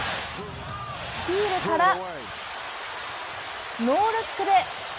スティールからノールックで。